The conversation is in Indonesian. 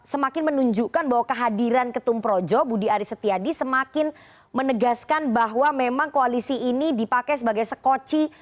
semakin menunjukkan bahwa kehadiran ketum projo budi aris setiadi semakin menegaskan bahwa memang koalisi ini dipakai sebagai sekoci